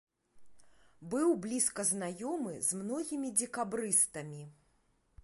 Быў блізка знаёмы з многімі дзекабрыстамі.